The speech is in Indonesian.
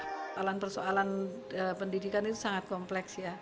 persoalan persoalan pendidikan itu sangat kompleks ya